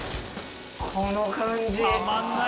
この感じ！